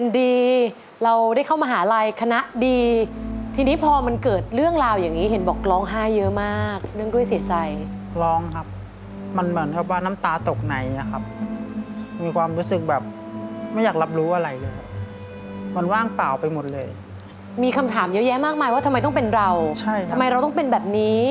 มีคำถามเยอะแยะมากมายว่าทำไมต้องเป็นเราทำไมเราต้องเป็นแบบนี้